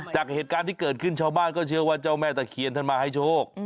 จากเหตุการณ์ที่เกิดขึ้นชาวบ้านก็เชื่อว่าเจ้าแม่ตะเคียนท่านมาให้โชค